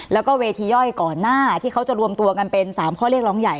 แล้วก็เวทีย่อยก่อนหน้าที่เขาจะรวมตัวกันเป็น๓ข้อเรียกร้องใหญ่